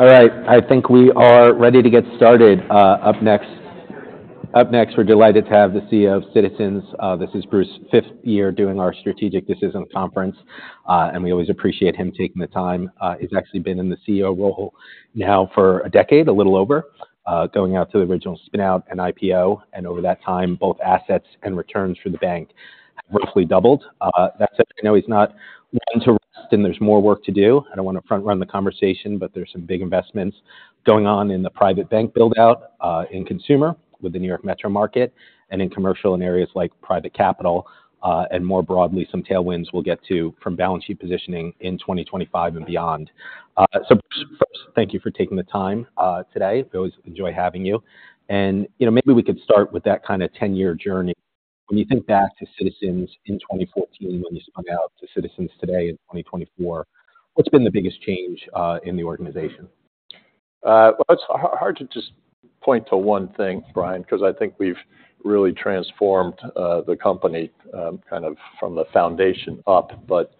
All right, I think we are ready to get started. Up next, up next, we're delighted to have the CEO of Citizens. This is Bruce's fifth year doing our strategic decision conference, and we always appreciate him taking the time. He's actually been in the CEO role now for a decade, a little over, going out to the original spin out and IPO, and over that time, both assets and returns for the bank have roughly doubled. That said, I know he's not one to rest, and there's more work to do. I don't wanna front run the conversation, but there's some big investments going on in the private bank build-out in consumer with the New York Metro market and in commercial, in areas like private capital, and more broadly, some tailwinds we'll get to from balance sheet positioning in 2025 and beyond. So first, thank you for taking the time today. We always enjoy having you. And, you know, maybe we could start with that kind of ten-year journey. When you think back to Citizens in 2014, when you spun out to Citizens today in 2024, what's been the biggest change in the organization? Well, it's hard to just point to one thing, Brian, 'cause I think we've really transformed the company kind of from the foundation up. But,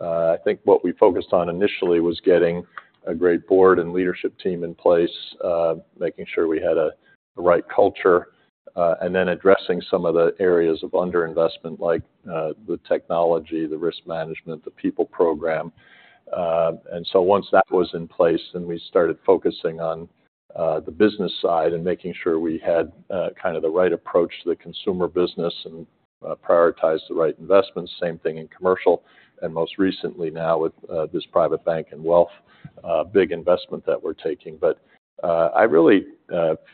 I think what we focused on initially was getting a great board and leadership team in place, making sure we had the right culture, and then addressing some of the areas of underinvestment, like the technology, the risk management, the people program. And so once that was in place, then we started focusing on the business side and making sure we had kind of the right approach to the consumer business and prioritize the right investments. Same thing in commercial, and most recently now with this private bank and wealth big investment that we're taking. But, I really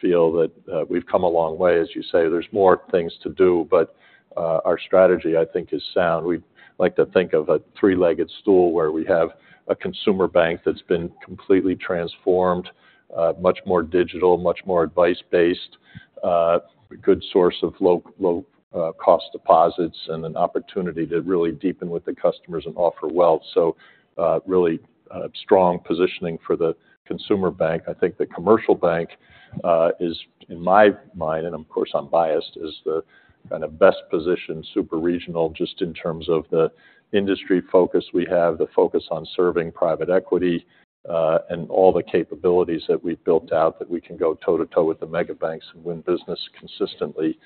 feel that we've come a long way. As you say, there's more things to do, but our strategy, I think, is sound. We like to think of a three-legged stool, where we have a consumer bank that's been completely transformed, much more digital, much more advice-based, a good source of low cost deposits, and an opportunity to really deepen with the customers and offer wealth. So, really strong positioning for the consumer bank. I think the commercial bank is, in my mind, and of course, I'm biased, the kind of best positioned super regional, just in terms of the industry focus we have, the focus on serving private equity, and all the capabilities that we've built out that we can go toe-to-toe with the mega banks and win business consistently.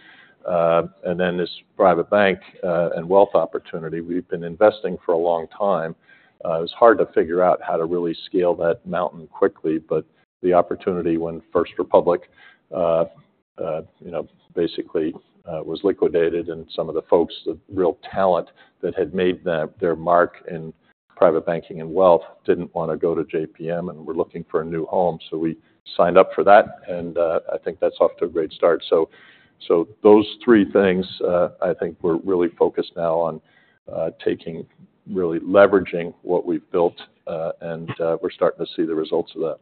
And then this private bank and wealth opportunity, we've been investing for a long time. It was hard to figure out how to really scale that mountain quickly, but the opportunity when First Republic, you know, basically, was liquidated and some of the folks, the real talent that had made them their mark in private banking and wealth, didn't wanna go to JPM and were looking for a new home. So we signed up for that, and I think that's off to a great start. So those three things, I think we're really focused now on taking really leveraging what we've built, and we're starting to see the results of that.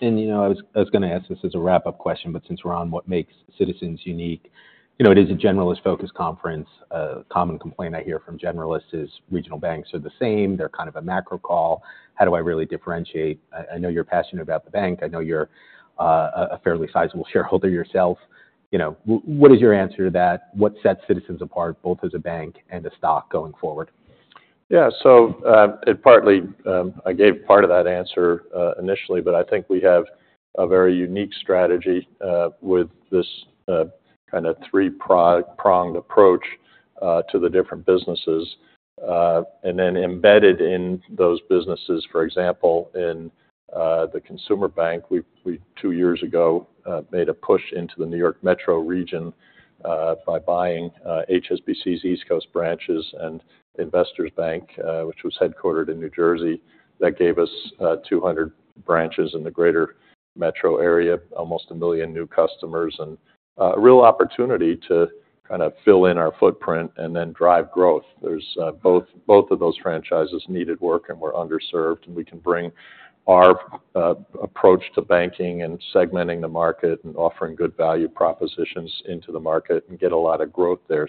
You know, I was gonna ask this as a wrap-up question, but since we're on what makes Citizens unique, you know, it is a generalist-focused conference. A common complaint I hear from generalists is regional banks are the same. They're kind of a macro call. How do I really differentiate? I know you're passionate about the bank. I know you're a fairly sizable shareholder yourself. You know, what is your answer to that? What sets Citizens apart, both as a bank and a stock going forward? Yeah. So, it partly, I gave part of that answer initially, but I think we have a very unique strategy with this kinda three-pronged approach to the different businesses. And then embedded in those businesses, for example, in the consumer bank, we two years ago made a push into the New York Metro region by buying HSBC's East Coast branches and Investors Bank, which was headquartered in New Jersey. That gave us 200 branches in the greater metro area, almost 1 million new customers, and a real opportunity to kind of fill in our footprint and then drive growth. There's both of those franchises needed work and were underserved, and we can bring our approach to banking and segmenting the market and offering good value propositions into the market and get a lot of growth there.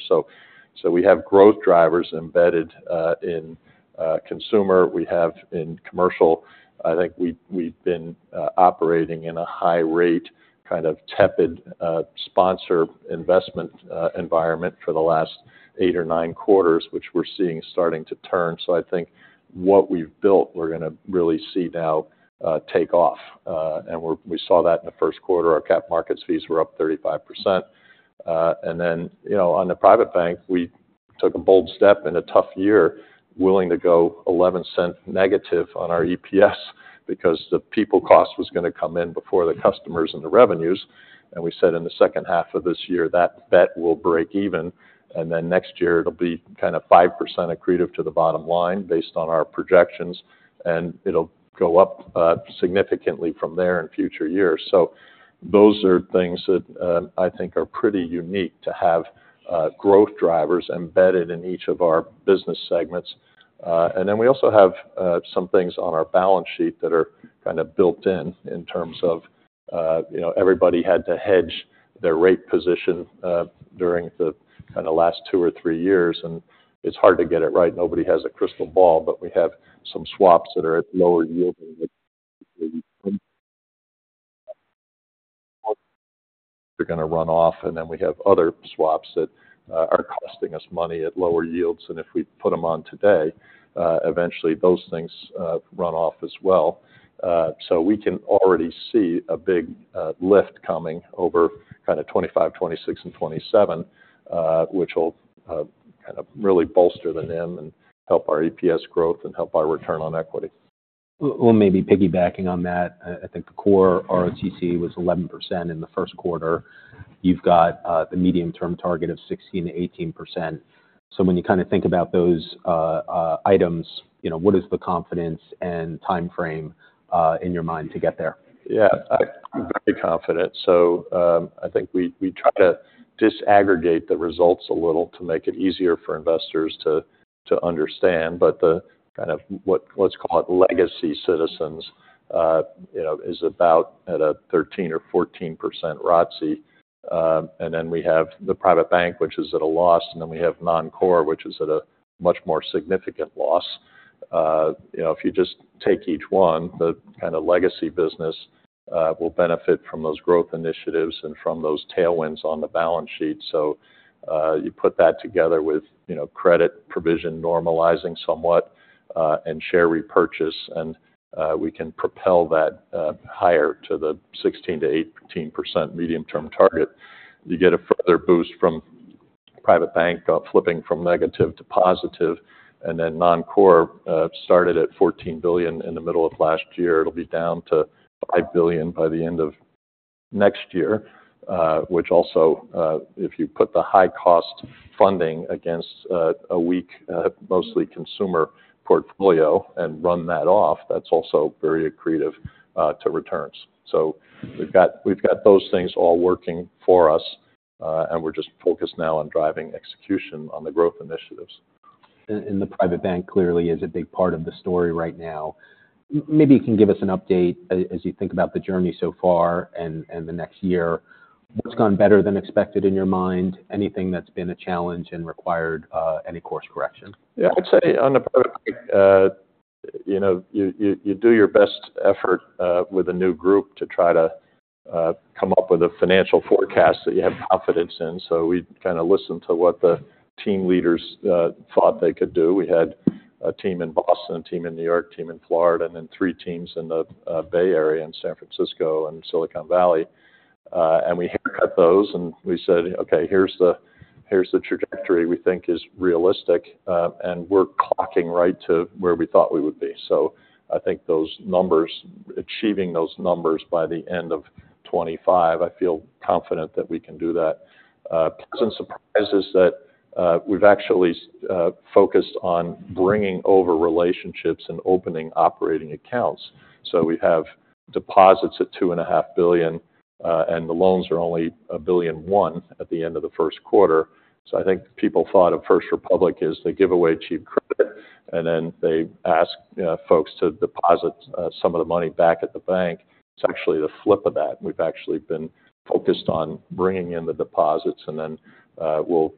So we have growth drivers embedded in consumer. We have in commercial. I think we've been operating in a high rate, kind of tepid sponsor investment environment for the last eight or nine quarters, which we're seeing starting to turn. So I think what we've built, we're gonna really see now take off. And we saw that in the first quarter. Our cap markets fees were up 35%. And then, you know, on the private bank, we took a bold step and a tough year, willing to go -$0.11 on our EPS because the people cost was gonna come in before the customers and the revenues. And we said in the second half of this year, that bet will break even, and then next year it'll be kind of 5% accretive to the bottom line, based on our projections, and it'll go up, significantly from there in future years. So those are things that, I think are pretty unique to have, growth drivers embedded in each of our business segments. And then we also have some things on our balance sheet that are kind of built in, in terms of, you know, everybody had to hedge their rate position during the kinda last two or three years, and it's hard to get it right. Nobody has a crystal ball, but we have some swaps that are at lower yields and are going to run off, and then we have other swaps that are costing us money at lower yields. And if we put them on today, eventually those things run off as well. So we can already see a big lift coming over kind of 2025, 2026, and 2027, which will kind of really bolster the NIM and help our EPS growth and help our return on equity. Well, well, maybe piggybacking on that, I think the core ROTC was 11% in the first quarter. You've got the medium-term target of 16%-18%. So when you kind of think about those items, you know, what is the confidence and timeframe in your mind to get there? Yeah, I'm very confident. So, I think we, we try to disaggregate the results a little to make it easier for investors to, to understand. But the kind of what- let's call it, legacy Citizens, you know, is about at a 13% or 14% ROTC. And then we have the private bank, which is at a loss, and then we have non-core, which is at a much more significant loss. You know, if you just take each one, the kind of legacy business, will benefit from those growth initiatives and from those tailwinds on the balance sheet. So, you put that together with, you know, credit provision normalizing somewhat, and share repurchase, and, we can propel that, higher to the 16%-18% medium-term target. You get a further boost from private bank, flipping from negative to positive, and then non-core, started at $14 billion in the middle of last year. It'll be down to $5 billion by the end of next year, which also, if you put the high-cost funding against, a weak, mostly consumer portfolio and run that off, that's also very accretive, to returns. So we've got, we've got those things all working for us, and we're just focused now on driving execution on the growth initiatives. And the private bank clearly is a big part of the story right now. Maybe you can give us an update as you think about the journey so far and the next year. What's gone better than expected in your mind? Anything that's been a challenge and required any course correction? Yeah, I'd say on the private bank, you know, you do your best effort with a new group to try to come up with a financial forecast that you have confidence in. So we kind of listened to what the team leaders thought they could do. We had a team in Boston, a team in New York, a team in Florida, and then three teams in the Bay Area in San Francisco and Silicon Valley. And we looked at those, and we said, "Okay, here's the trajectory we think is realistic," and we're clocking right to where we thought we would be. So I think those numbers, achieving those numbers by the end of 2025, I feel confident that we can do that. Some surprises that we've actually focused on bringing over relationships and opening operating accounts. So we have deposits at $2.5 billion, and the loans are only $1.1 billion at the end of the first quarter. So I think people thought of First Republic as they give away cheap credit, and then they ask folks to deposit some of the money back at the bank. It's actually the flip of that. We've actually been focused on bringing in the deposits, and then we'll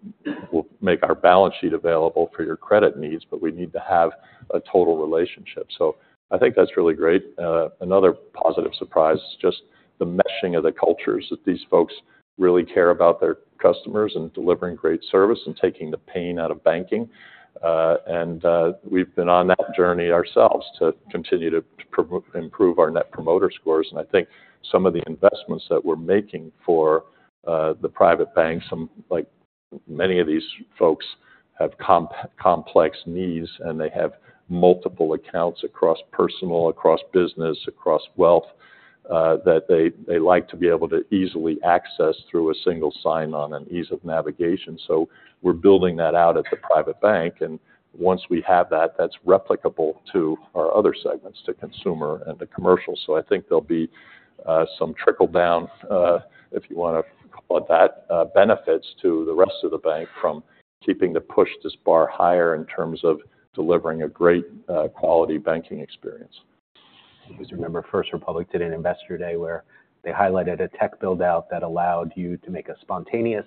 make our balance sheet available for your credit needs, but we need to have a total relationship. So I think that's really great. Another positive surprise is just the meshing of the cultures, that these folks really care about their customers and delivering great service and taking the pain out of banking. We've been on that journey ourselves to continue to improve our net promoter scores. And I think some of the investments that we're making for the private banks, like, many of these folks have complex needs, and they have multiple accounts across personal, across business, across wealth, that they like to be able to easily access through a single sign-on and ease of navigation. So we're building that out at the private bank, and once we have that, that's replicable to our other segments, to consumer and to commercial. So I think there'll be some trickle down, if you want to call it that, benefits to the rest of the bank from keeping this bar higher in terms of delivering a great quality banking experience. Because remember, First Republic did an Investor Day, where they highlighted a tech build-out that allowed you to make a spontaneous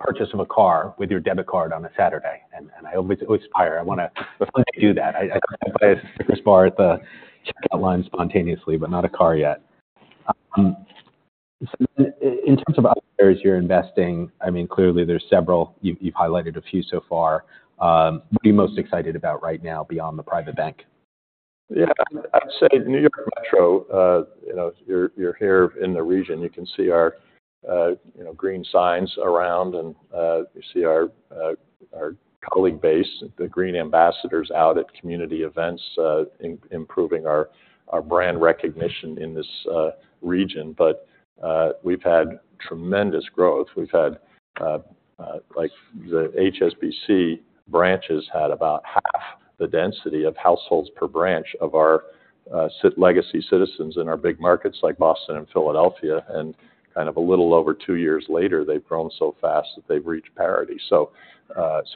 purchase of a car with your debit card on a Saturday. And I always aspire. I wanna do that. I buy a Snickers bar at the checkout line spontaneously, but not a car yet. In terms of areas you're investing, I mean, clearly there's several. You've highlighted a few so far. What are you most excited about right now beyond the private bank? Yeah, I'd say New York Metro. You know, you're here in the region. You can see our, you know, green signs around, and you see our, our colleague base, the green ambassadors out at community events, improving our, our brand recognition in this region. But we've had tremendous growth. We've had, like, the HSBC branches had about half the density of households per branch of our legacy Citizens in our big markets like Boston and Philadelphia, and kind of a little over two years later, they've grown so fast that they've reached parity. So,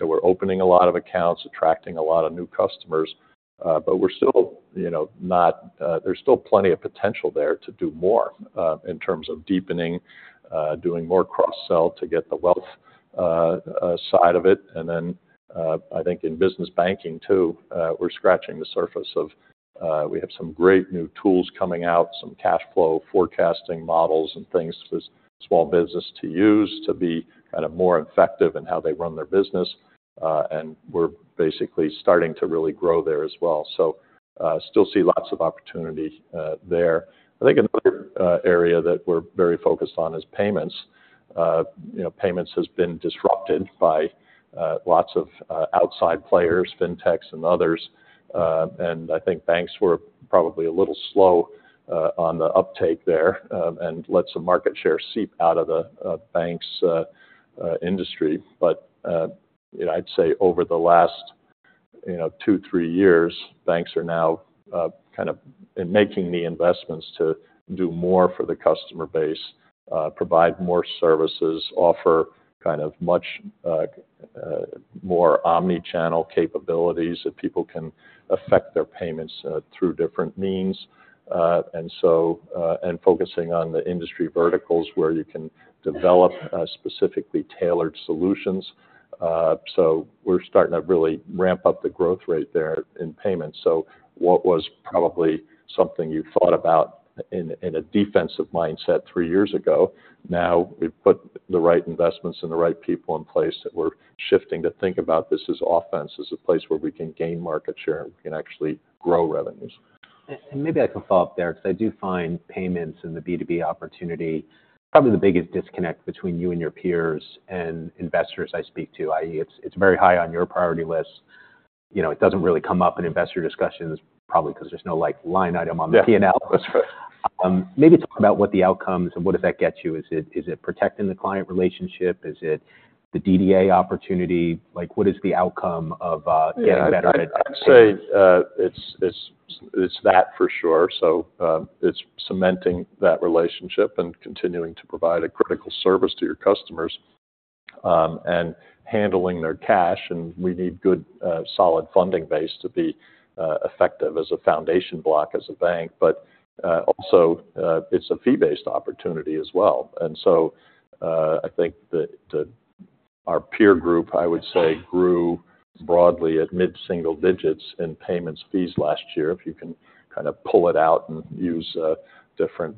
we're opening a lot of accounts, attracting a lot of new customers, but we're still, you know, not—there's still plenty of potential there to do more, in terms of deepening, doing more cross-sell to get the wealth side of it. And then, I think in business banking too, we're scratching the surface of, we have some great new tools coming out, some cashflow forecasting models and things for small business to use to be kind of more effective in how they run their business. And we're basically starting to really grow there as well. So, still see lots of opportunity there. I think another area that we're very focused on is payments. You know, payments has been disrupted by, lots of, outside players, fintechs and others. And I think banks were probably a little slow on the uptake there, and let some market share seep out of the banks industry. But you know, I'd say over the last you know, two, three years, banks are now kind of making the investments to do more for the customer base, provide more services, offer kind of much more omni-channel capabilities that people can affect their payments through different means. And so, and focusing on the industry verticals where you can develop specifically tailored solutions. So we're starting to really ramp up the growth rate there in payments. So what was probably something you thought about in a defensive mindset three years ago, now we've put the right investments and the right people in place, that we're shifting to think about this as offense, as a place where we can gain market share, and we can actually grow revenues. Maybe I can follow up there, because I do find payments and the B2B opportunity, probably the biggest disconnect between you and your peers, and investors I speak to, i.e., it's very high on your priority list. You know, it doesn't really come up in investor discussions, probably because there's no, like, line item on the P&L. Yeah. That's right. Maybe talk about what the outcomes and what does that get you? Is it, is it protecting the client relationship? Is it the DDA opportunity? Like, what is the outcome of, Yeah... getting better at it? I'd say, it's that for sure. So, it's cementing that relationship and continuing to provide a critical service to your customers, and handling their cash, and we need good, solid funding base to be, effective as a foundation block as a bank. But, also, it's a fee-based opportunity as well. And so, I think that our peer group, I would say, grew broadly at mid-single digits in payments fees last year, if you can kind of pull it out and use different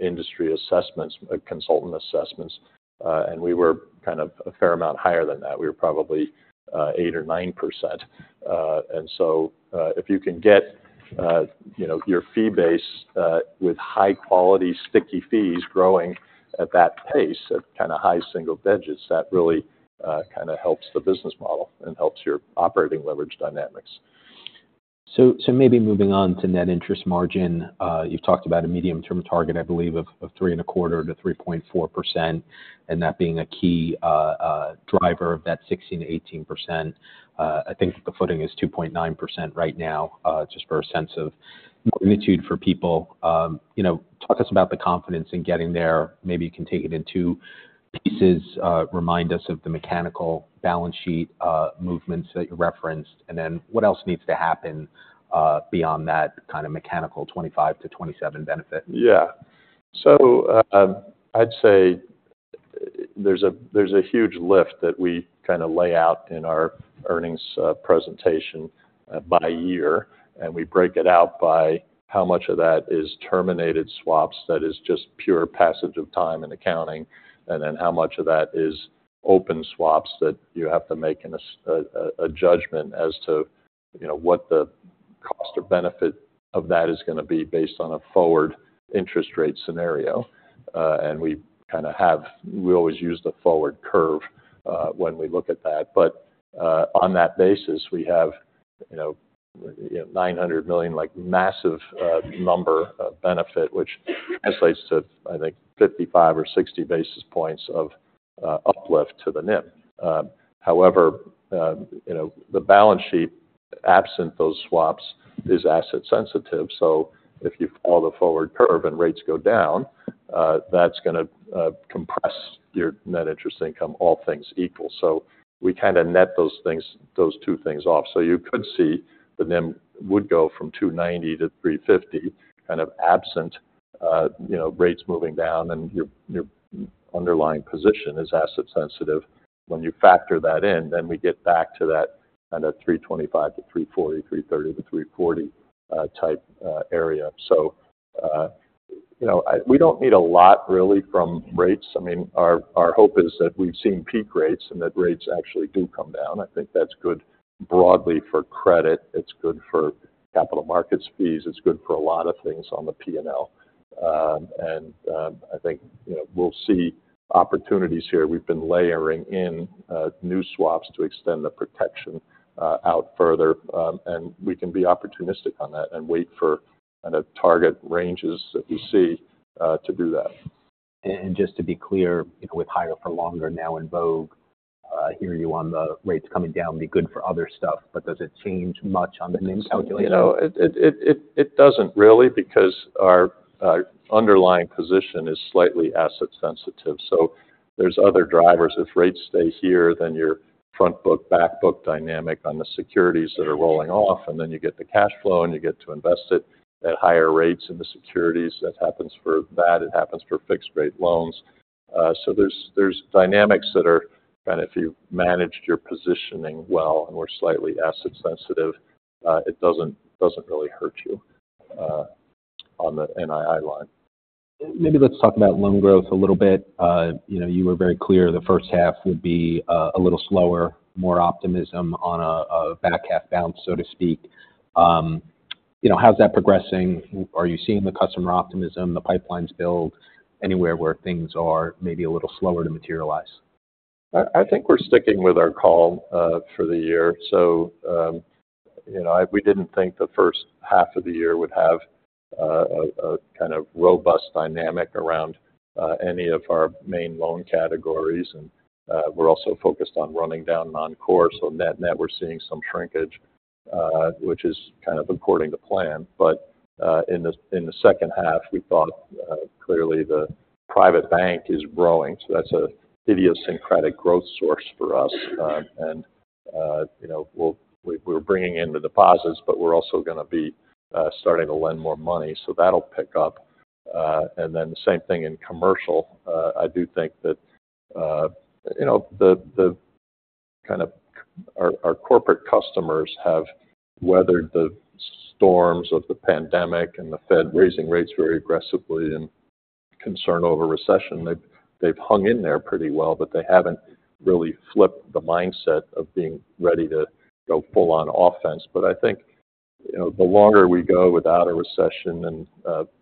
industry assessments, consultant assessments. And we were kind of a fair amount higher than that. We were probably, 8% or 9%. And so, if you can get, you know, your fee base with high-quality, sticky fees growing at that pace, at kind of high single digits, that really kind of helps the business model and helps your operating leverage dynamics. So, maybe moving on to net interest margin. You've talked about a medium-term target, I believe, of 3.25%-3.4%, and that being a key driver of that 16%-18%. I think the footing is 2.9% right now, just for a sense of magnitude for people. You know, talk to us about the confidence in getting there. Maybe you can take it in two pieces. Remind us of the mechanical balance sheet movements that you referenced, and then what else needs to happen beyond that kind of mechanical 25-27 benefit? Yeah. So, I'd say there's a huge lift that we kind of lay out in our earnings presentation, by year, and we break it out by how much of that is terminated swaps, that is just pure passage of time and accounting, and then how much of that is open swaps that you have to make a judgment as to, you know, what the cost or benefit of that is gonna be based on a forward interest rate scenario. And we kind of have... We always use the forward curve, when we look at that. But, on that basis, we have, you know, $900 million, like, massive, number of benefit, which translates to, I think, 55 or 60 basis points of uplift to the NIM. However, you know, the balance sheet, absent those swaps, is asset sensitive. So if you follow the forward curve and rates go down, that's gonna compress your net interest income, all things equal. So we kind of net those things- those two things off. So you could see the NIM would go from 2.90 to 3.50, kind of absent, you know, rates moving down and your, your underlying position is asset sensitive. When you factor that in, then we get back to that kind of 3.25-3.40, 3.30-3.40 type area. So, you know, we don't need a lot really from rates. I mean, our, our hope is that we've seen peak rates and that rates actually do come down. I think that's good broadly for credit, it's good for capital markets fees, it's good for a lot of things on the P&L. And, I think, you know, we'll see opportunities here. We've been layering in new swaps to extend the protection out further, and we can be opportunistic on that and wait for kind of target ranges that we see to do that. Just to be clear, with higher for longer now in vogue, hearing you on the rates coming down, be good for other stuff, but does it change much on the NIM calculation? You know, it doesn't really, because our underlying position is slightly asset sensitive, so there's other drivers. If rates stay here, then you're front book, back book dynamic on the securities that are rolling off, and then you get the cash flow, and you get to invest it at higher rates in the securities. That happens for that, it happens for fixed-rate loans. So there's dynamics that are kind of if you've managed your positioning well and we're slightly asset sensitive, it doesn't really hurt you on the NII line. Maybe let's talk about loan growth a little bit. You know, you were very clear, the first half would be a little slower, more optimism on a back-half bounce, so to speak. You know, how's that progressing? Are you seeing the customer optimism, the pipelines build anywhere where things are maybe a little slower to materialize? I think we're sticking with our call for the year. So, you know, we didn't think the first half of the year would have a kind of robust dynamic around any of our main loan categories. And, we're also focused on running down non-core. So net-net, we're seeing some shrinkage, which is kind of according to plan. But, in the second half, we thought, clearly, the private bank is growing, so that's an idiosyncratic growth source for us. And, you know, we're bringing in the deposits, but we're also gonna be starting to lend more money, so that'll pick up. And then the same thing in commercial. I do think that, you know, our corporate customers have weathered the storms of the pandemic and the Fed raising rates very aggressively and concern over recession. They've hung in there pretty well, but they haven't really flipped the mindset of being ready to go full on offense. But I think, you know, the longer we go without a recession and,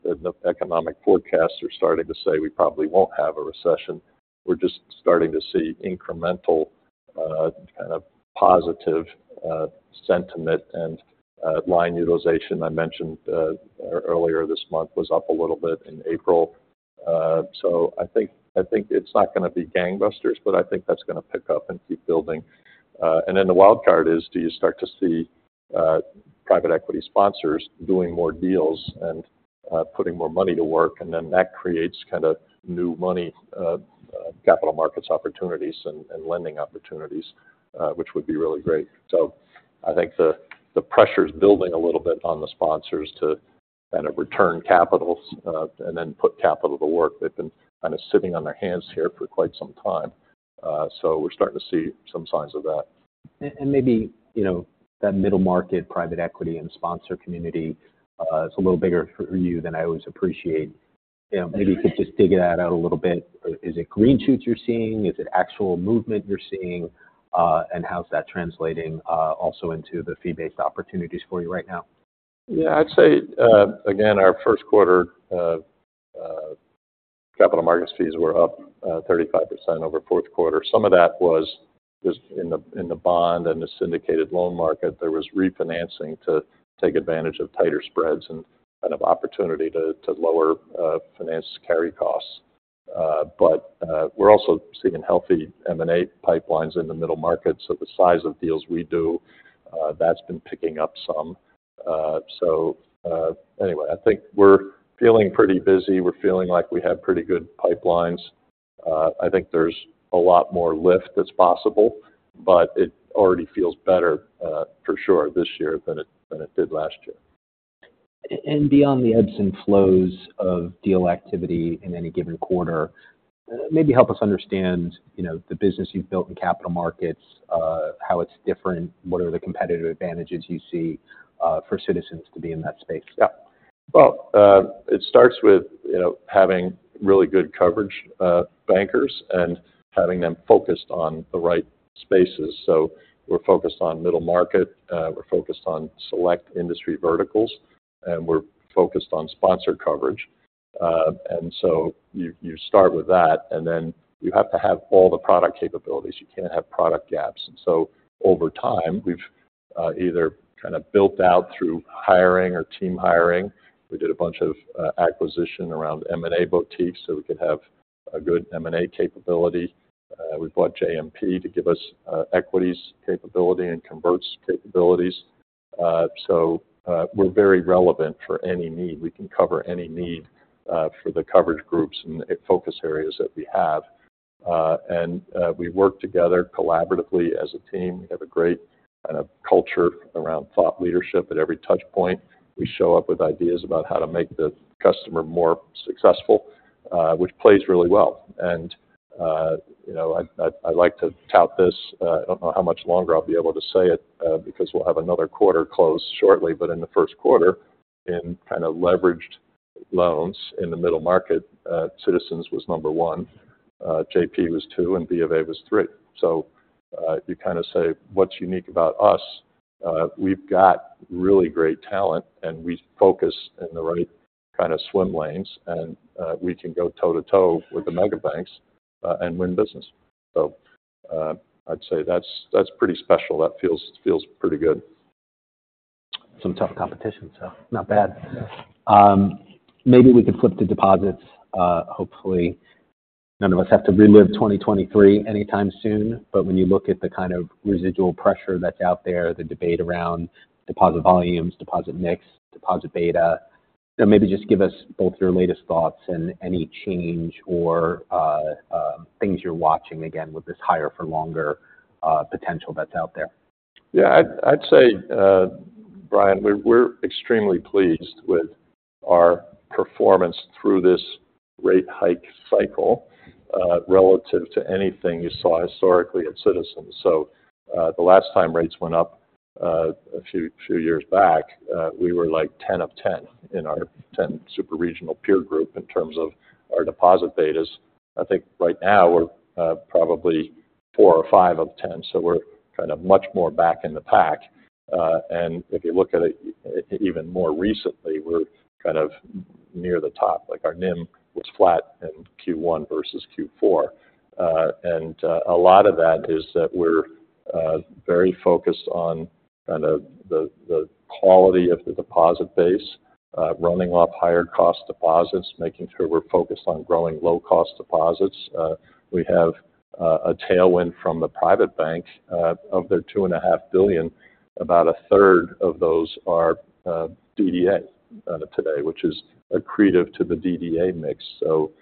the economic forecasts are starting to say we probably won't have a recession, we're just starting to see incremental, kind of positive, sentiment and, line utilization. I mentioned, earlier this month was up a little bit in April. So I think it's not gonna be gangbusters, but I think that's gonna pick up and keep building. And then the wildcard is: Do you start to see private equity sponsors doing more deals and putting more money to work? And then that creates kind of new money capital markets opportunities and, and lending opportunities, which would be really great. So I think the pressure's building a little bit on the sponsors to kind of return capital and then put capital to work. They've been kind of sitting on their hands here for quite some time, so we're starting to see some signs of that. Maybe, you know, that middle market, private equity and sponsor community is a little bigger for you than I always appreciate. You know, maybe you could just dig that out a little bit. Is it green shoots you're seeing? Is it actual movement you're seeing? And how's that translating also into the fee-based opportunities for you right now? Yeah, I'd say, again, our first quarter, capital markets fees were up, 35% over fourth quarter. Some of that was just in the, in the bond and the syndicated loan market. There was refinancing to take advantage of tighter spreads and kind of opportunity to, to lower, finance carry costs. But, we're also seeing healthy M&A pipelines in the middle market. So the size of deals we do, that's been picking up some. So, anyway, I think we're feeling pretty busy. We're feeling like we have pretty good pipelines. I think there's a lot more lift that's possible, but it already feels better, for sure this year than it, than it did last year. Beyond the ebbs and flows of deal activity in any given quarter, maybe help us understand, you know, the business you've built in capital markets, how it's different, what are the competitive advantages you see for Citizens to be in that space? Yeah. Well, it starts with, you know, having really good coverage bankers and having them focused on the right spaces. So we're focused on middle market, we're focused on select industry verticals, and we're focused on sponsor coverage. And so you start with that, and then you have to have all the product capabilities. You can't have product gaps. And so over time, we've either kind of built out through hiring or team hiring. We did a bunch of acquisition around M&A boutiques, so we could have a good M&A capability. We bought JMP to give us equities capability and converts capabilities. So we're very relevant for any need. We can cover any need for the coverage groups and focus areas that we have. And we work together collaboratively as a team. We have a great kind of culture around thought leadership. At every touch point, we show up with ideas about how to make the customer more successful, which plays really well. And, you know, I'd, I'd like to tout this, I don't know how much longer I'll be able to say it, because we'll have another quarter close shortly. But in the first quarter, in kind of leveraged loans in the middle market, Citizens was number one, JP was two, and BofA was three. So, you kind of say, "What's unique about us?" We've got really great talent, and we focus in the right kind of swim lanes, and, we can go toe-to-toe with the mega banks, and win business. So, I'd say that's, that's pretty special. That feels, feels pretty good. Some tough competition, so not bad. Maybe we can flip to deposits. Hopefully, none of us have to relive 2023 anytime soon. But when you look at the kind of residual pressure that's out there, the debate around deposit volumes, deposit mix, deposit beta-... So maybe just give us both your latest thoughts and any change or, things you're watching again with this higher for longer, potential that's out there. Yeah, I'd say, Brian, we're extremely pleased with our performance through this rate hike cycle, relative to anything you saw historically at Citizens. So, the last time rates went up, a few years back, we were like 10 of 10 in our 10 super regional peer group in terms of our deposit betas. I think right now we're probably 4 or 5 of 10, so we're kind of much more back in the pack. And if you look at it even more recently, we're kind of near the top. Like, our NIM was flat in Q1 versus Q4. And a lot of that is that we're very focused on kind of the quality of the deposit base, running off higher cost deposits, making sure we're focused on growing low-cost deposits. We have a tailwind from the private bank. Of the $2.5 billion, about a third of those are DDA today, which is accretive to the DDA mix. So,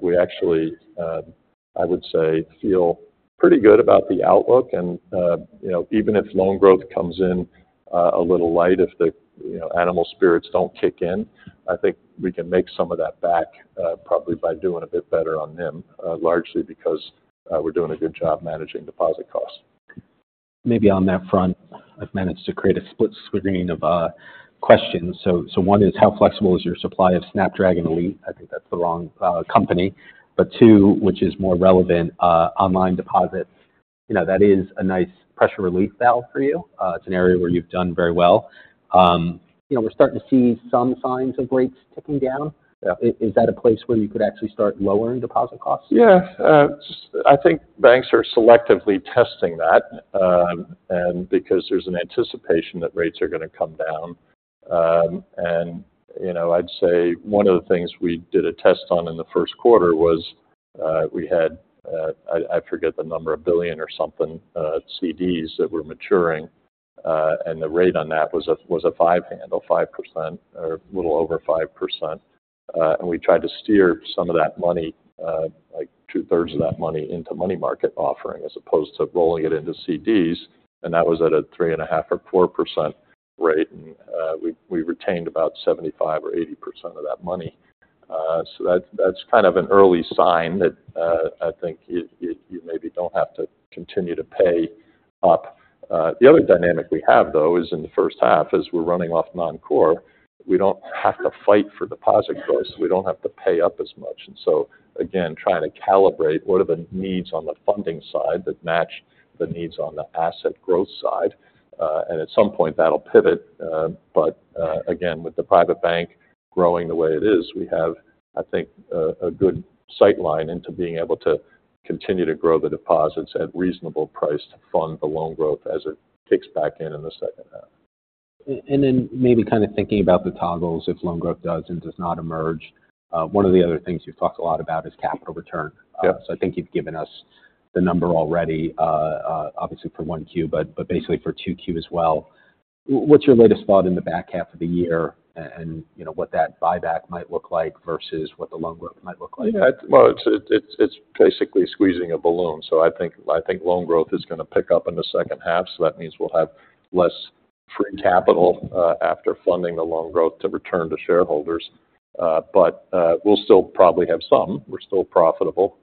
we actually, I would say, feel pretty good about the outlook. And, you know, even if loan growth comes in a little light, if the, you know, animal spirits don't kick in, I think we can make some of that back, probably by doing a bit better on NIM, largely because, we're doing a good job managing deposit costs. Maybe on that front, I've managed to create a split screen of questions. So, one is, how flexible is your supply of Snapdragon Elite? I think that's the wrong company. But two, which is more relevant, online deposits, you know, that is a nice pressure relief valve for you. It's an area where you've done very well. You know, we're starting to see some signs of rates ticking down. Yeah. Is that a place where you could actually start lowering deposit costs? Yeah, I think banks are selectively testing that, and because there's an anticipation that rates are gonna come down. And, you know, I'd say one of the things we did a test on in the first quarter was, we had, I forget the number, $1 billion or something, CDs that were maturing, and the rate on that was a five handle, 5% or a little over 5%. And we tried to steer some of that money, like 2/3 of that money, into money market offering, as opposed to rolling it into CDs, and that was at a 3.5% or 4% rate. And, we retained about 75% or 80% of that money. So that, that's kind of an early sign that, I think you maybe don't have to continue to pay up. The other dynamic we have, though, is in the first half, as we're running off non-core, we don't have to fight for deposit growth, so we don't have to pay up as much. And so again, trying to calibrate what are the needs on the funding side that match the needs on the asset growth side. And at some point, that'll pivot, but, again, with the private bank growing the way it is, we have, I think, a good sight line into being able to continue to grow the deposits at reasonable price to fund the loan growth as it kicks back in in the second half. And then maybe kind of thinking about the toggles, if loan growth does and does not emerge, one of the other things you've talked a lot about is capital return. Yep. So I think you've given us the number already, obviously for 1Q, but basically for 2Q as well. What's your latest thought in the back half of the year and, you know, what that buyback might look like versus what the loan growth might look like? Yeah, well, it's basically squeezing a balloon. So I think loan growth is gonna pick up in the second half, so that means we'll have less free capital after funding the loan growth to return to shareholders. But we'll still probably have some. We're still profitable.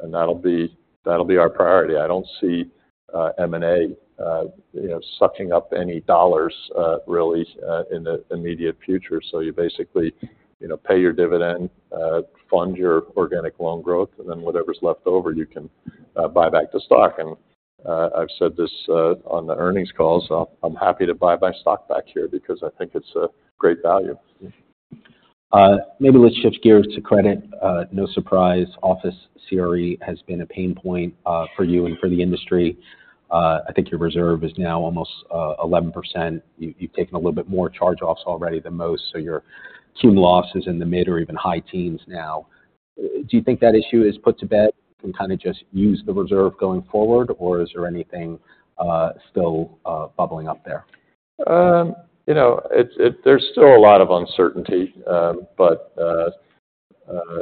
And that'll be our priority. I don't see M&A you know sucking up any dollars really in the immediate future. So you basically you know pay your dividend, fund your organic loan growth, and then whatever's left over, you can buy back the stock. And I've said this on the earnings call, so I'm happy to buy my stock back here because I think it's a great value. Maybe let's shift gears to credit. No surprise, office CRE has been a pain point for you and for the industry. I think your reserve is now almost 11%. You've, you've taken a little bit more charge-offs already than most, so your cum losses in the mid or even high teens now. Do you think that issue is put to bed and kind of just use the reserve going forward, or is there anything still bubbling up there? You know, there's still a lot of uncertainty, but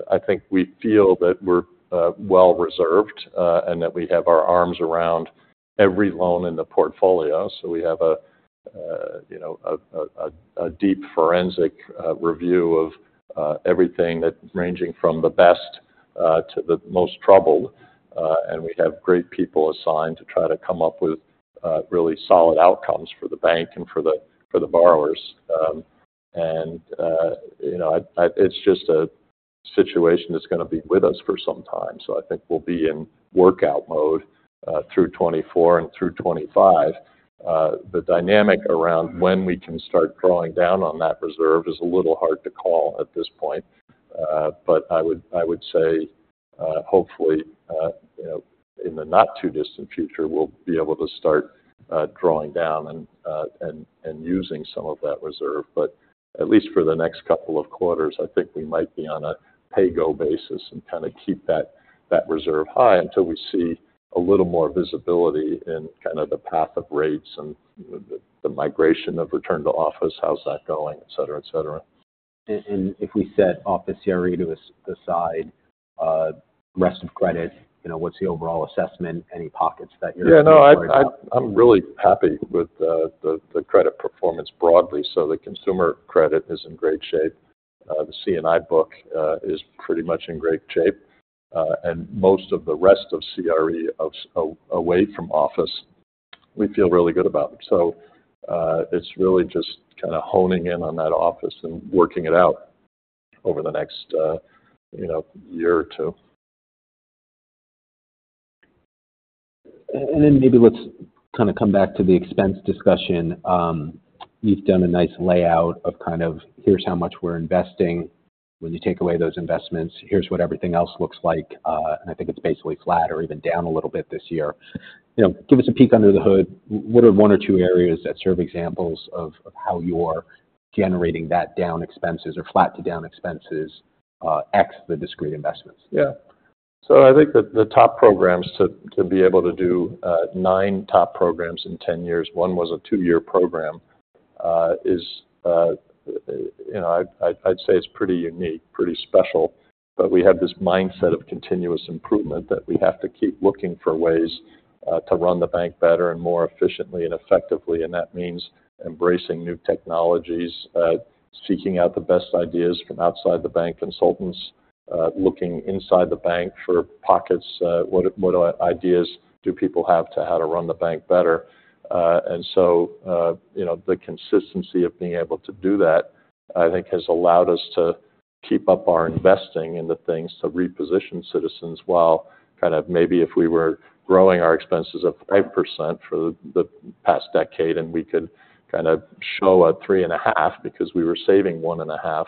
I think we feel that we're well-reserved, and that we have our arms around every loan in the portfolio. So we have, you know, a deep forensic review of everything that... Ranging from the best to the most troubled. And we have great people assigned to try to come up with really solid outcomes for the bank and for the borrowers. And, you know, it's just a situation that's gonna be with us for some time. So I think we'll be in workout mode through 2024 and through 2025. The dynamic around when we can start drawing down on that reserve is a little hard to call at this point. But I would say, hopefully, you know, in the not too distant future, we'll be able to start drawing down and using some of that reserve. But at least for the next couple of quarters, I think we might be on a pay-go basis and kind of keep that reserve high until we see a little more visibility in kind of the path of rates and the migration of return to office, how's that going, et cetera, et cetera. And if we set office CRE to the side, rest of credit, you know, what's the overall assessment? Any pockets that you're- Yeah, no, I'm really happy with the credit performance broadly. So the consumer credit is in great shape. The C&I book is pretty much in great shape, and most of the rest of CRE away from office, we feel really good about. So, it's really just kind of honing in on that office and working it out over the next, you know, year or two. And then maybe let's kind of come back to the expense discussion. You've done a nice layout of kind of, here's how much we're investing. When you take away those investments, here's what everything else looks like, and I think it's basically flat or even down a little bit this year. You know, give us a peek under the hood. What are one or two areas that serve examples of how you are generating that down expenses or flat to down expenses, ex the discrete investments? Yeah. So I think that the top programs to be able to do 9 top programs in 10 years, one was a two-year program, you know, I'd say it's pretty unique, pretty special. But we have this mindset of continuous improvement, that we have to keep looking for ways to run the bank better and more efficiently and effectively, and that means embracing new technologies, seeking out the best ideas from outside the bank, consultants, looking inside the bank for pockets, what ideas do people have to how to run the bank better? And so, you know, the consistency of being able to do that, I think, has allowed us to keep up our investing in the things to reposition Citizens, while kind of maybe if we were growing our expenses 5% for the past decade, and we could kind of show 3.5% because we were saving 1.5%,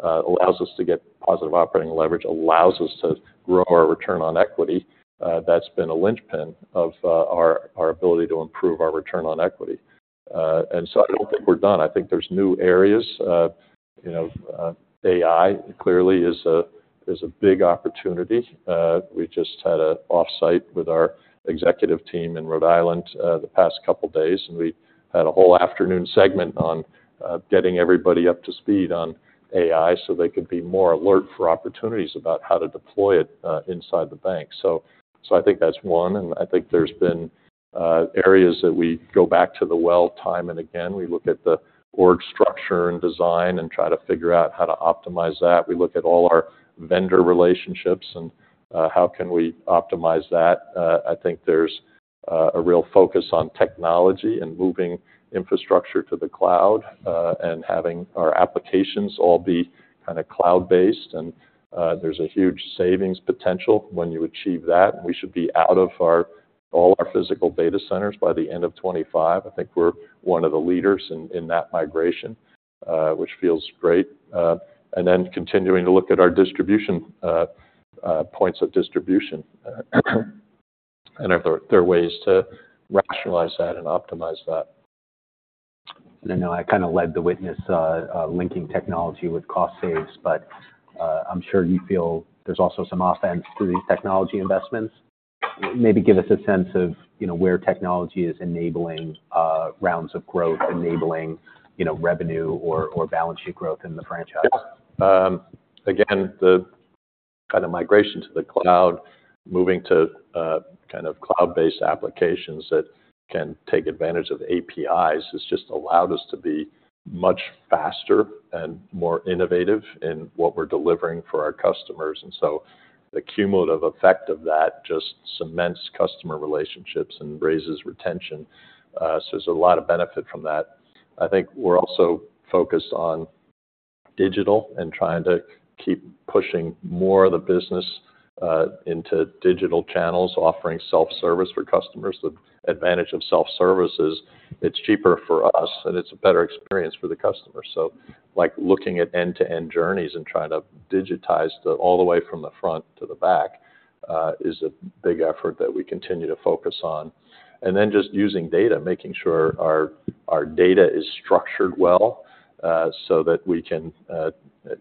allows us to get positive operating leverage, allows us to grow our return on equity. That's been a linchpin of our ability to improve our return on equity. And so I don't think we're done. I think there's new areas of, you know, AI, clearly is a big opportunity. We just had an off-site with our executive team in Rhode Island the past couple of days, and we had a whole afternoon segment on getting everybody up to speed on AI, so they could be more alert for opportunities about how to deploy it inside the bank. So, so I think that's one, and I think there's been areas that we go back to the well time and again. We look at the org structure and design, and try to figure out how to optimize that. We look at all our vendor relationships and how can we optimize that. I think there's a real focus on technology and moving infrastructure to the cloud and having our applications all be kind of cloud-based. There's a huge savings potential when you achieve that, and we should be out of all our physical data centers by the end of 2025. I think we're one of the leaders in that migration, which feels great. And then continuing to look at our distribution points of distribution, and if there are ways to rationalize that and optimize that. I know I kind of led the witness, linking technology with cost saves, but, I'm sure you feel there's also some offense through these technology investments. Maybe give us a sense of, you know, where technology is enabling rounds of growth, enabling, you know, revenue or, or balance sheet growth in the franchise. Yeah. Again, the kind of migration to the cloud, moving to, kind of cloud-based applications that can take advantage of APIs, has just allowed us to be much faster and more innovative in what we're delivering for our customers. And so the cumulative effect of that just cements customer relationships and raises retention. So there's a lot of benefit from that. I think we're also focused on digital and trying to keep pushing more of the business into digital channels, offering self-service for customers. The advantage of self-service is it's cheaper for us, and it's a better experience for the customer. So, like, looking at end-to-end journeys and trying to digitize all the way from the front to the back is a big effort that we continue to focus on. And then just using data, making sure our data is structured well, so that we can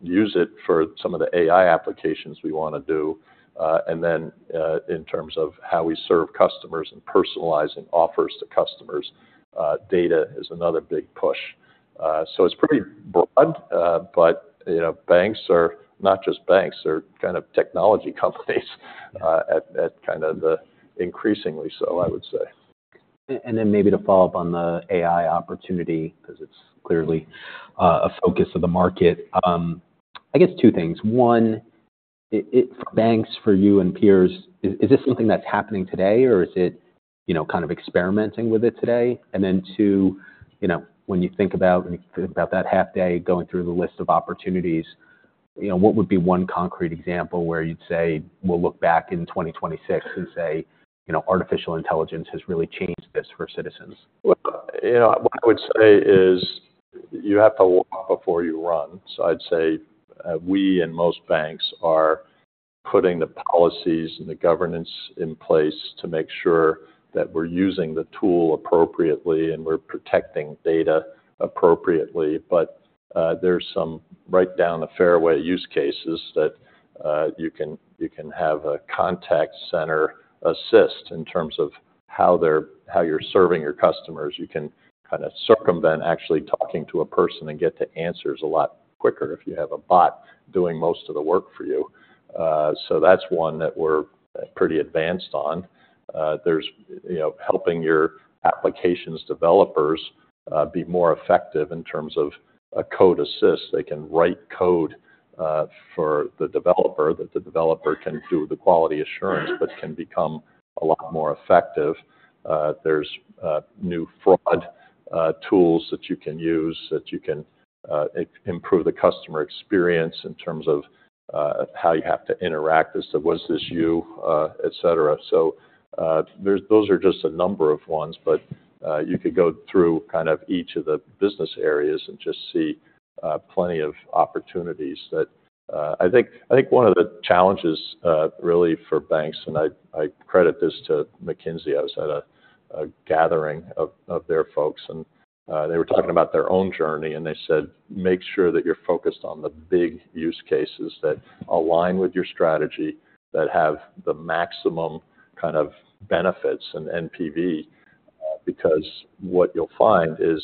use it for some of the AI applications we wanna do. And then, in terms of how we serve customers and personalizing offers to customers, data is another big push. So it's pretty broad, but, you know, banks are not just banks, they're kind of technology companies, at increasingly so, I would say. And then maybe to follow up on the AI opportunity, because it's clearly a focus of the market. I guess two things: One, for banks, for you and peers, is this something that's happening today, or is it, you know, kind of experimenting with it today? And then two, you know, when you think about that half day, going through the list of opportunities, you know, what would be one concrete example where you'd say, we'll look back in 2026 and say, you know, artificial intelligence has really changed this for Citizens? Well, you know, what I would say is, you have to walk before you run. So I'd say, we and most banks are putting the policies and the governance in place to make sure that we're using the tool appropriately, and we're protecting data appropriately. But, there's some right down the fairway use cases that you can, you can have a contact center assist in terms of how they're—how you're serving your customers. You can kind of circumvent actually talking to a person and get the answers a lot quicker if you have a bot doing most of the work for you. So that's one that we're pretty advanced on. There's, you know, helping your applications developers be more effective in terms of a code assist. They can write code for the developer, that the developer can do the quality assurance, but can become a lot more effective. There's new fraud tools that you can use, that you can improve the customer experience in terms of how you have to interact. And so was this you, et cetera. So, there's those are just a number of ones, but you could go through kind of each of the business areas and just see plenty of opportunities that... I think one of the challenges really for banks, and I credit this to McKinsey. I was at a gathering of their folks, and they were talking about their own journey, and they said: "Make sure that you're focused on the big use cases that align with your strategy, that have the maximum kind of benefits and NPV." Because what you'll find is,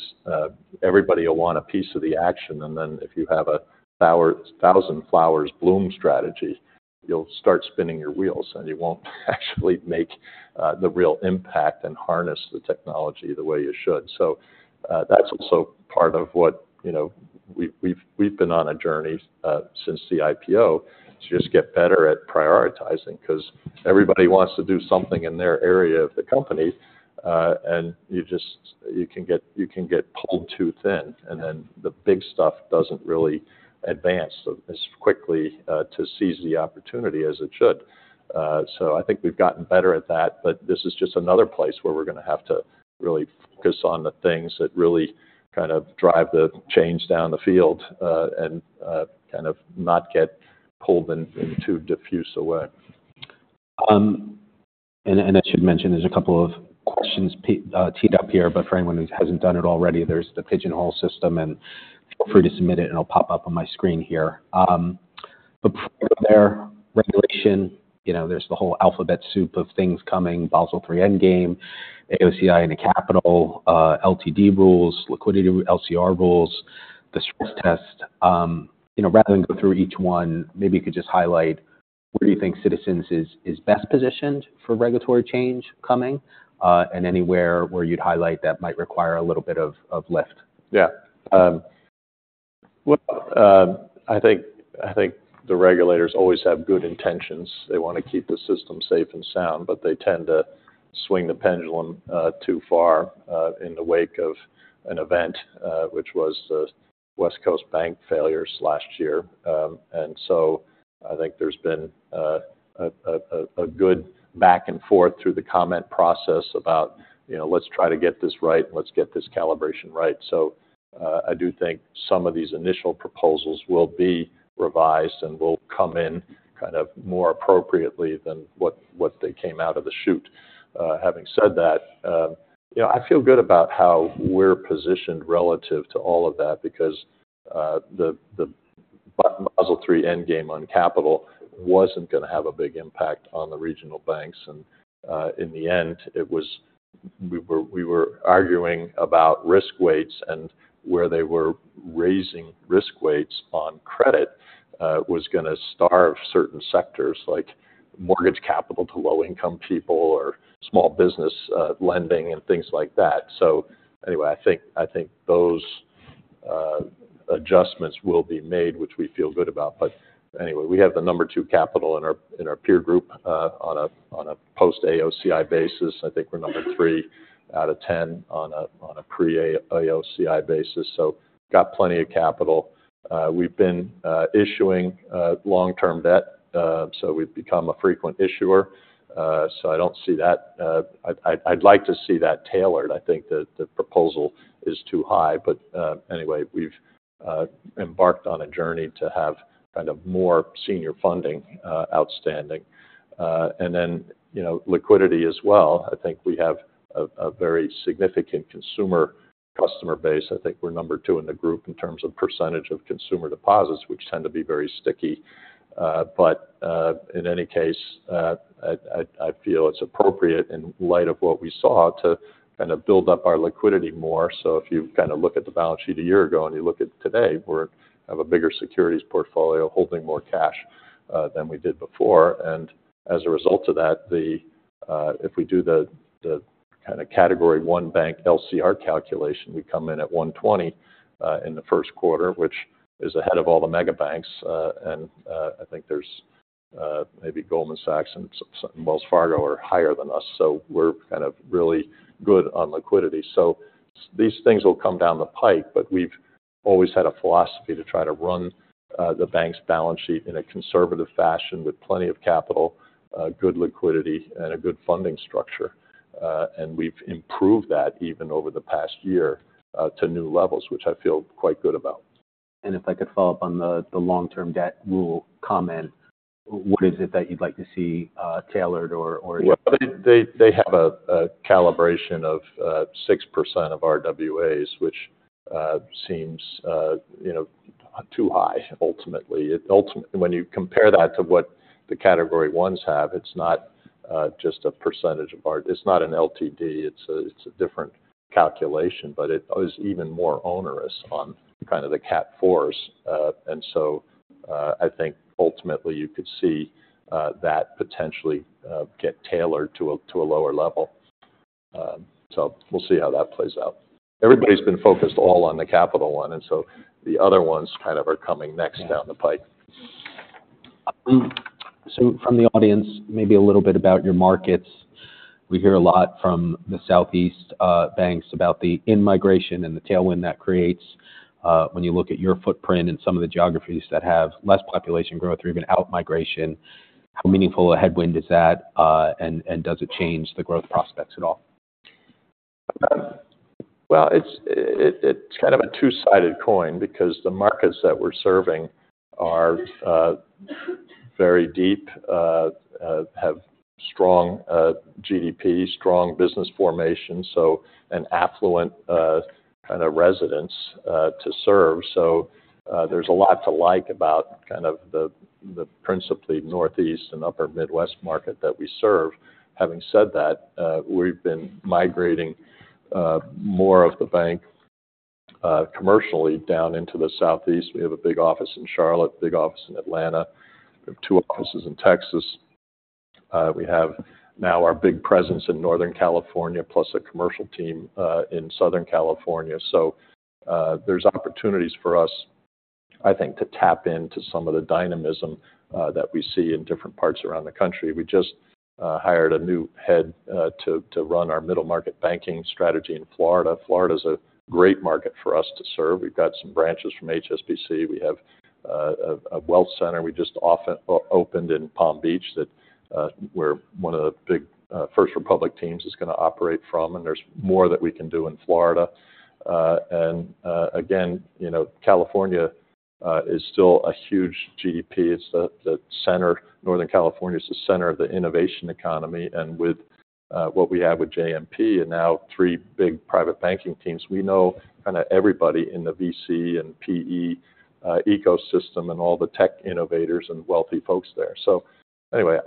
everybody will want a piece of the action, and then if you have a thousand flowers bloom strategy, you'll start spinning your wheels, and you won't actually make the real impact and harness the technology the way you should. So, that's also part of what, you know, we've been on a journey since the IPO to just get better at prioritizing, 'cause everybody wants to do something in their area of the company, and you just can get pulled too thin, and then the big stuff doesn't really advance as quickly to seize the opportunity as it should. So I think we've gotten better at that, but this is just another place where we're gonna have to really focus on the things that really kind of drive the change down the field, and kind of not get pulled in too diffuse a way. And I should mention, there's a couple of questions teed up here, but for anyone who hasn't done it already, there's the Pigeonhole system, and feel free to submit it, and it'll pop up on my screen here. But before there, regulation, you know, there's the whole alphabet soup of things coming, Basel III Endgame, AOCI and the capital, LTD rules, liquidity, LCR rules, the stress test. You know, rather than go through each one, maybe you could just highlight where you think Citizens is best positioned for regulatory change coming, and anywhere where you'd highlight that might require a little bit of lift. Yeah. Well, I think the regulators always have good intentions. They wanna keep the system safe and sound, but they tend to swing the pendulum too far in the wake of an event, which was the West Coast bank failures last year. And so I think there's been a good back and forth through the comment process about, you know, let's try to get this right, and let's get this calibration right. So, I do think some of these initial proposals will be revised and will come in kind of more appropriately than what they came out of the chute. Having said that, you know, I feel good about how we're positioned relative to all of that because the Basel III Endgame on capital wasn't gonna have a big impact on the regional banks. And in the end, we were arguing about risk weights and where they were raising risk weights on credit was gonna starve certain sectors, like mortgage capital to low-income people or small business lending and things like that. So anyway, I think those adjustments will be made, which we feel good about. But anyway, we have the number two capital in our peer group on a post-AOCI basis. I think we're number three out of 10 on a pre-AOCI basis, so got plenty of capital. We've been issuing long-term debt, so we've become a frequent issuer. So I don't see that... I'd like to see that tailored. I think the proposal is too high, but anyway, we've embarked on a journey to have kind of more senior funding outstanding. And then, you know, liquidity as well. I think we have a very significant consumer customer base. I think we're number two in the group in terms of percentage of consumer deposits, which tend to be very sticky. But in any case, I feel it's appropriate in light of what we saw to kind of build up our liquidity more. So if you kind of look at the balance sheet a year ago, and you look at today, we have a bigger securities portfolio, holding more cash than we did before. And as a result of that, if we do the kind of Category 1 bank LCR calculation, we come in at 120 in the first quarter, which is ahead of all the mega banks. And I think there's maybe Goldman Sachs and Wells Fargo are higher than us, so we're kind of really good on liquidity. So these things will come down the pipe, but we've always had a philosophy to try to run the bank's balance sheet in a conservative fashion with plenty of capital, good liquidity and a good funding structure. We've improved that even over the past year to new levels, which I feel quite good about. If I could follow up on the long-term debt rule comment, what is it that you'd like to see tailored or or- Well, they have a calibration of 6% of RWAs, which seems, you know, too high ultimately. Ultimately, when you compare that to what the Category 1s have, it's not just a percentage of our... It's not an LTD, it's a different calculation, but it is even more onerous on kind of the Cat 4s. And so, I think ultimately you could see that potentially get tailored to a lower level. So we'll see how that plays out. Everybody's been focused all on the Capital One, and so the other ones kind of are coming next down the pipe. Yeah. So from the audience, maybe a little bit about your markets. We hear a lot from the Southeast banks about the in-migration and the tailwind that creates. When you look at your footprint and some of the geographies that have less population growth or even out-migration, how meaningful a headwind is that? And does it change the growth prospects at all? Well, it's kind of a two-sided coin because the markets that we're serving are very deep, have strong GDP, strong business formation, so an affluent kind of residents to serve. So, there's a lot to like about kind of the principally Northeast and Upper Midwest market that we serve. Having said that, we've been migrating more of the bank commercially down into the Southeast. We have a big office in Charlotte, big office in Atlanta. We have two offices in Texas. We have now our big presence in Northern California, plus a commercial team in Southern California. So, there's opportunities for us, I think, to tap into some of the dynamism that we see in different parts around the country. We just hired a new head to run our middle market banking strategy in Florida. Florida's a great market for us to serve. We've got some branches from HSBC. We have a wealth center we just opened in Palm Beach that where one of the big First Republic teams is gonna operate from, and there's more that we can do in Florida. And again, you know, California is still a huge GDP. It's the center. Northern California is the center of the innovation economy, and with what we have with JMP, and now three big private banking teams, we know kind of everybody in the VC and PE ecosystem, and all the tech innovators and wealthy folks there. So anyway,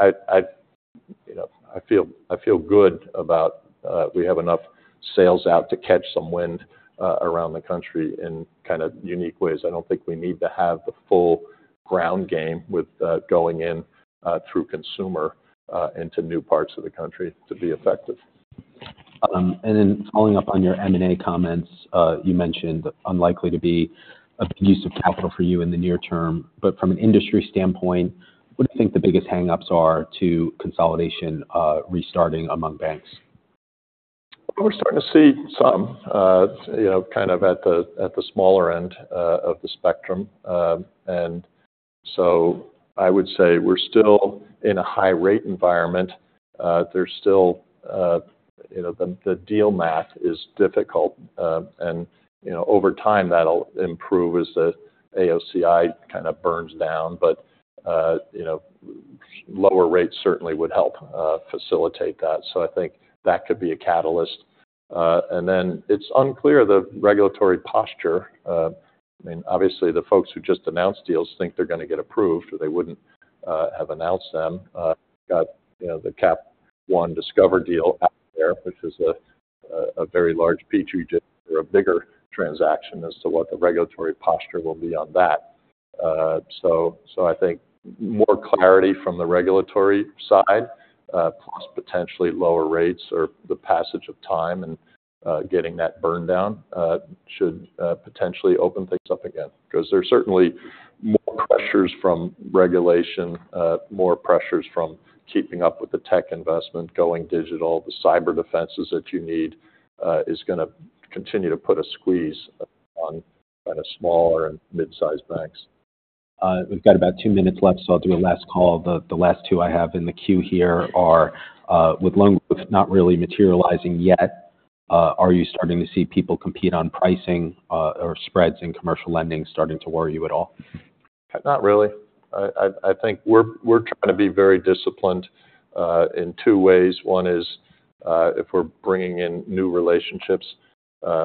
you know, I feel good about we have enough sails out to catch some wind around the country in kind of unique ways. I don't think we need to have the full ground game with going in through consumer into new parts of the country to be effective. And then, following up on your M&A comments, you mentioned unlikely to be a big use of capital for you in the near term. But from an industry standpoint, what do you think the biggest hang-ups are to consolidation restarting among banks? We're starting to see some, you know, kind of at the, at the smaller end of the spectrum. And so I would say we're still in a high rate environment. There's still, you know, the, the deal math is difficult. And, you know, over time, that'll improve as the AOCI kind of burns down. But, you know, lower rates certainly would help facilitate that. So I think that could be a catalyst. And then it's unclear, the regulatory posture. I mean, obviously, the folks who just announced deals think they're gonna get approved, or they wouldn't have announced them. Got, you know, the Capital One Discover deal out there, which is a very large petri dish, or a bigger transaction as to what the regulatory posture will be on that. So, I think more clarity from the regulatory side, plus potentially lower rates or the passage of time and, getting that burned down, should potentially open things up again. Because there are certainly more pressures from regulation, more pressures from keeping up with the tech investment, going digital. The cyber defenses that you need is gonna continue to put a squeeze on kind of smaller and mid-sized banks. We've got about two minutes left, so I'll do a last call. The last two I have in the queue here are, with loan growth not really materializing yet, are you starting to see people compete on pricing, or spreads in commercial lending starting to worry you at all? Not really. I think we're trying to be very disciplined in two ways. One is, if we're bringing in new relationships,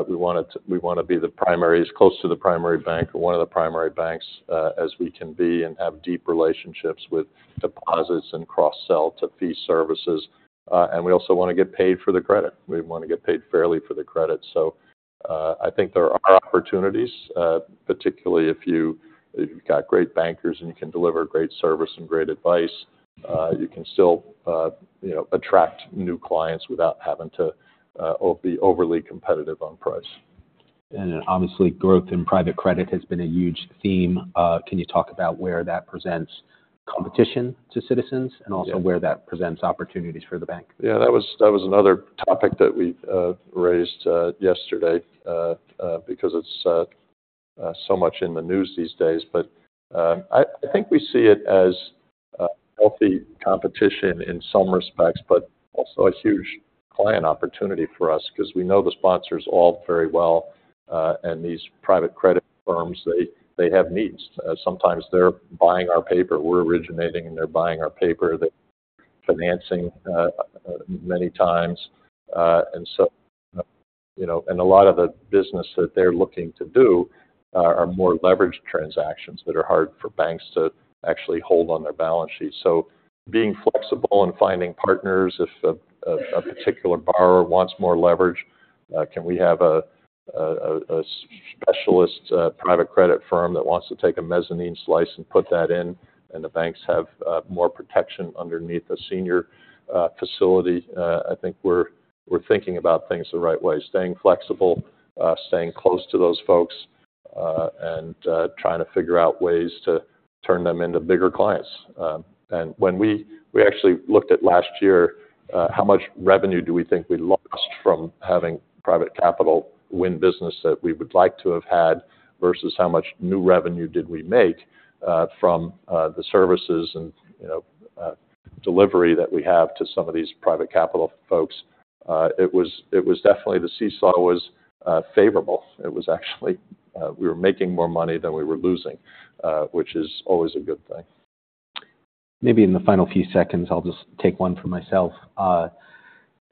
we want it to- we wanna be the primary... as close to the primary bank or one of the primary banks as we can be and have deep relationships with deposits and cross-sell to fee services. And we also wanna get paid for the credit. We wanna get paid fairly for the credit. So, I think there are opportunities, particularly if you've got great bankers, and you can deliver great service and great advice, you can still, you know, attract new clients without having to be overly competitive on price. And then obviously, growth in private credit has been a huge theme. Can you talk about where that presents competition to Citizens? Yeah... and also where that presents opportunities for the bank? Yeah, that was, that was another topic that we raised yesterday because it's so much in the news these days. But I think we see it as healthy competition in some respects, but also a huge client opportunity for us, 'cause we know the sponsors all very well, and these private credit firms, they have needs. Sometimes they're buying our paper. We're originating, and they're buying our paper. They're financing many times. And so, you know, and a lot of the business that they're looking to do are more leveraged transactions that are hard for banks to actually hold on their balance sheet. So being flexible and finding partners, if a particular borrower wants more leverage, can we have a specialist private credit firm that wants to take a mezzanine slice and put that in, and the banks have more protection underneath the senior facility? I think we're thinking about things the right way, staying flexible, staying close to those folks, and trying to figure out ways to turn them into bigger clients. And when we actually looked at last year, how much revenue do we think we lost from having private capital win business that we would like to have had, versus how much new revenue did we make, from the services and, you know, delivery that we have to some of these private capital folks? It was, it was definitely the seesaw was favorable. It was actually we were making more money than we were losing, which is always a good thing. Maybe in the final few seconds, I'll just take one for myself.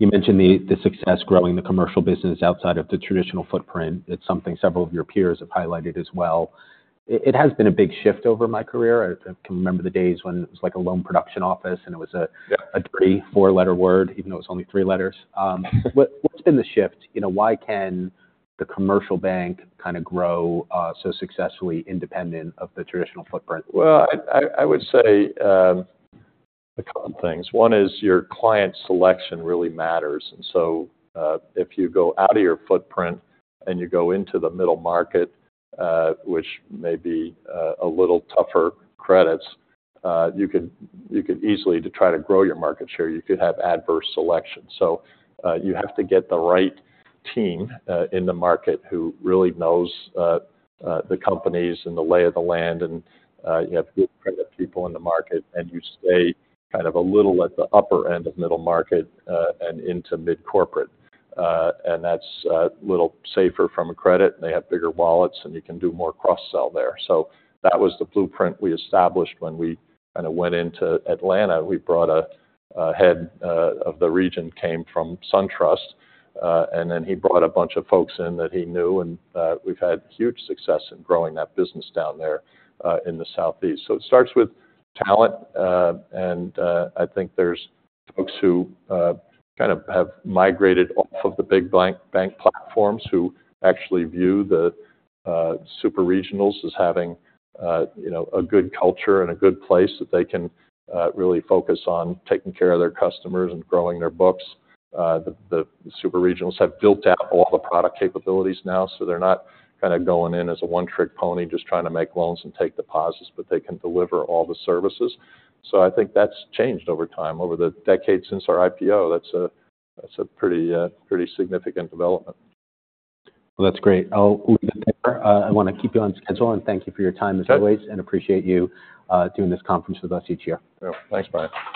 You mentioned the success growing the commercial business outside of the traditional footprint. It's something several of your peers have highlighted as well. It has been a big shift over my career. I can remember the days when it was like a loan production office, and it was a- Yep A three, four-letter word, even though it's only three letters. What, what's been the shift? You know, why can the commercial bank kind of grow so successfully, independent of the traditional footprint? Well, I would say a couple of things. One is your client selection really matters, and so, if you go out of your footprint and you go into the middle market, which may be a little tougher credits, you could easily -- to try to grow your market share, you could have adverse selection. So, you have to get the right team in the market who really knows the companies and the lay of the land, and you have good credit people in the market, and you stay kind of a little at the upper end of middle market and into mid-corporate. And that's a little safer from a credit, and they have bigger wallets, and you can do more cross-sell there. So that was the blueprint we established when we kind of went into Atlanta. We brought a head of the region, came from SunTrust, and then he brought a bunch of folks in that he knew, and we've had huge success in growing that business down there in the Southeast. So it starts with talent, and I think there's folks who kind of have migrated off of the big bank platforms, who actually view the super regionals as having you know a good culture and a good place that they can really focus on taking care of their customers and growing their books. The super regionals have built out all the product capabilities now, so they're not kind of going in as a one-trick pony, just trying to make loans and take deposits, but they can deliver all the services. So I think that's changed over time. Over the decades since our IPO, that's a pretty significant development. Well, that's great. I'll leave it there. I wanna keep you on schedule, and thank you for your time, as always- Sure. -and appreciate you doing this conference with us each year. Sure. Thanks, Brian.